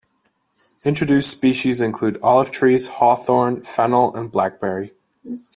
Introduced species include olive trees, hawthorn, fennel and blackberry.